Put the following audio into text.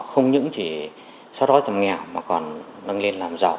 không những chỉ xóa đói giảm nghèo mà còn nâng lên làm giàu